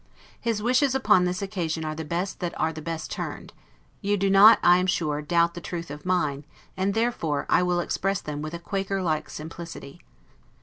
His wishes upon this occasion are the best that are the best turned; you do not, I am sure, doubt the truth of mine, and therefore I will express them with a Quaker like simplicity.